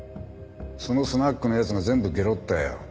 そのスナックの奴が全部ゲロったよ。